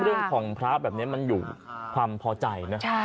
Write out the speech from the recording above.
เรื่องของพระแบบนี้มันอยู่ความพอใจนะ